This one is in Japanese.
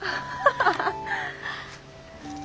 ハハハ。